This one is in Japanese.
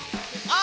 あ！